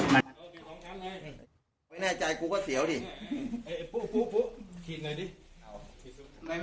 ไม่แน่ใจกูก็เสียวติ